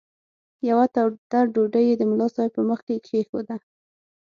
یوه توده ډوډۍ یې د ملا صاحب په مخ کې کښېښوده.